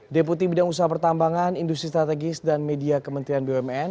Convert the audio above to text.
deputi bidang usaha pertambangan industri strategis dan media kementerian bumn